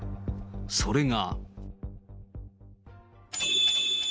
それが。